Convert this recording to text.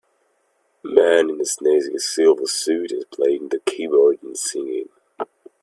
A man in a snazzy silver suit is playing the keyboard and singing.